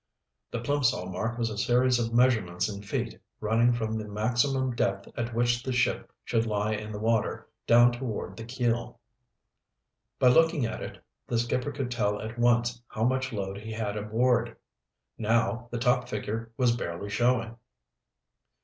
The Plimsoll mark was a series of measurements in feet, running from the maximum depth at which the ship should lie in the water down toward the keel. By looking at it, the skipper could tell at once how much load he had aboard. Now, the top figure was barely showing.